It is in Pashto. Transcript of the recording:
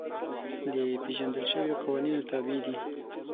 د پېژندل شویو قوانینو تابع دي.